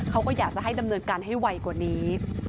เขาก็อยากจะให้ดำเนินการให้ไวกว่านี้